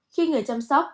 khi người chăm sóc